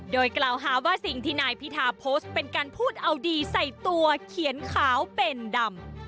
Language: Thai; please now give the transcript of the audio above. โดยกล่าวหาว่าสิ่งที่นายพิธาโพสต์เป็นการพูดเอาดีใส่ตัวเขียนขาวเป็นดำ